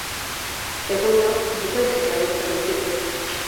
Egoera hau bukaezina gerta daiteke.